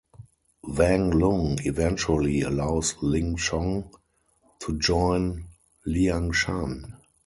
Wang Lun eventually allows Lin Chong to join Liangshan.